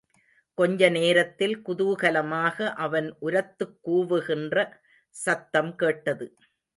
கொஞ்ச நேரத்தில் குதூகலமாக அவன் உரத்துக் கூவுகின்ற சத்தம் கேட்டது.